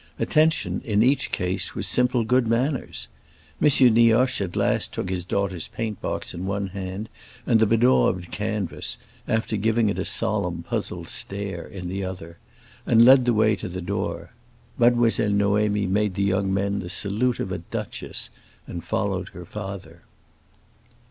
Attention, in each case, was simple good manners. M. Nioche at last took his daughter's paint box in one hand and the bedaubed canvas, after giving it a solemn, puzzled stare, in the other, and led the way to the door. Mademoiselle Noémie made the young men the salute of a duchess, and followed her father.